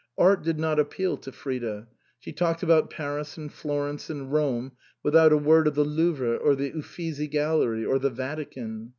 Art did not appeal to Frida. She talked about Paris and Florence and Rome without a word of the Louvre or the Uffizi Gallery or the Vatican.